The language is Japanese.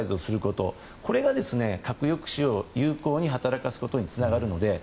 これが核抑止を有効に働かせることにつながるので。